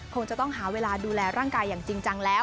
คงจะต้องหาเวลาดูแลร่างกายอย่างจริงจังแล้ว